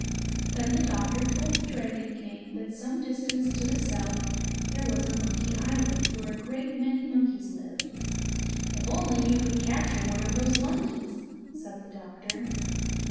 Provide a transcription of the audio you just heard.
Then the doctor told the Dragon King that some distance to the south there was a Monkey Island where a great many monkeys lived. "If only you could capture one of those monkeys?" said the doctor.